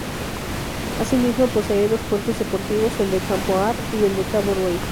Asimismo, posee dos puertos deportivos: El de Campoamor y el de Cabo Roig.